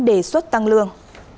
đề xuất tăng lương